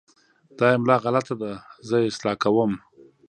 دا املا غلط ده، زه یې اصلاح کوم.